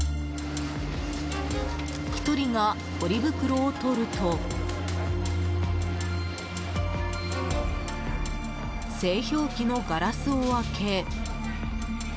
１人がポリ袋を取ると製氷機のガラスを開け。